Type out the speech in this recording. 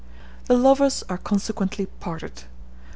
The lovers are consequently parted.